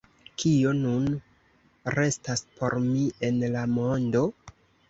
Kio nun restas por mi en la mondo?